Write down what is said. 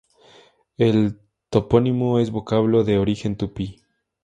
El topónimo es vocablo de origen tupí.